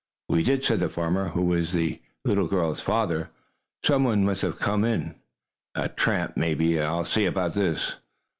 "We did," said the farmer, who was the little girl's father. "Some one must have gone in a tramp, maybe. I'll see about this!"